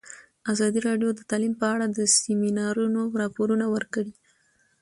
ازادي راډیو د تعلیم په اړه د سیمینارونو راپورونه ورکړي.